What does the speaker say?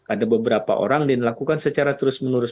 ada beberapa orang yang dilakukan secara terus menerus